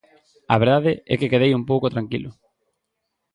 A verdade é que quedei un pouco tranquilo.